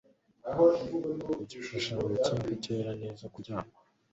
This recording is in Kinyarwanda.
Igishushanyo cyinka cyera neza kuryama